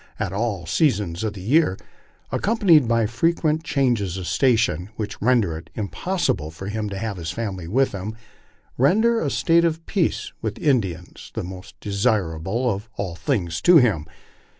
at all seasons of the year, accompanied by frequent changes of station, which render it impossible for him to have his family with him, render a state of peace with Ind/ans the most desirable of all things to him.